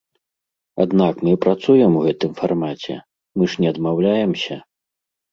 Аднак мы працуем у гэтым фармаце, мы ж не адмаўляемся.